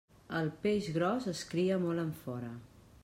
El peix gros es cria molt enfora.